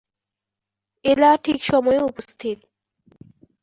এলা ঠিক সময়েই উপস্থিত।